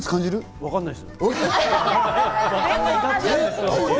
わかんないです。